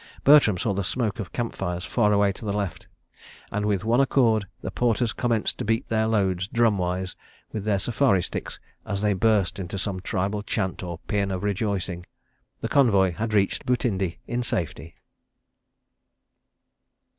Bertram saw the smoke of campfires far away to the left; and with one accord the porters commenced to beat their loads, drum wise, with their safari sticks as they burst into some tribal chant or pæan of rejoicing. The convoy had reached Butindi in safety.